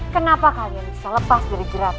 kenapa kalian bisa lepas dari jerat